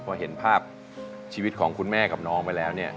พอเห็นภาพชีวิตของคุณแม่กับน้องไปแล้วเนี่ย